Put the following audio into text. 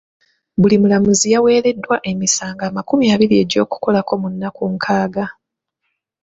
Buli mulamuzi yaweereddwa emisango amakumi abiri egy'okukolako mu nnaku nkaaga.